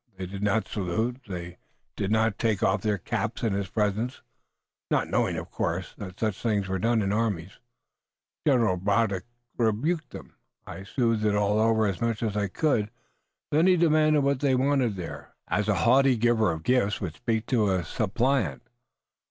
They did not salute. They did not take off their caps in his presence, not knowing, of course, that such things were done in armies. General Braddock rebuked them. I smoothed it all over as much as I could. Then he demanded what they wanted there, as a haughty giver of gifts would speak to a suppliant.